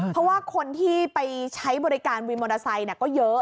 เพราะว่าคนที่ไปใช้บริการวินมอเตอร์ไซค์ก็เยอะ